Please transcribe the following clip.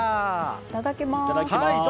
いただきます！